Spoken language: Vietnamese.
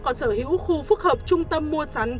có sở hữu khu phức hợp trung tâm mua sắn